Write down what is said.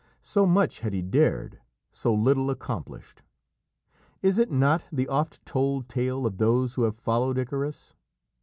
So much had he dared so little accomplished. Is it not the oft told tale of those who have followed Icarus?